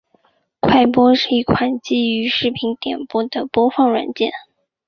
快播是一款基于视频点播的播放软件。